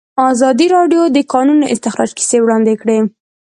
ازادي راډیو د د کانونو استخراج کیسې وړاندې کړي.